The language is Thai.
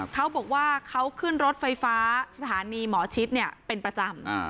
เขาบอกว่าเขาขึ้นรถไฟฟ้าสถานีหมอชิดเป็นประจำ